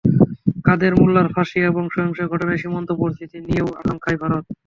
কাদের মোল্লার ফাঁসি এবং সহিংস ঘটনায় সীমান্ত পরিস্থিতি নিয়েও আশঙ্কায় ভারত।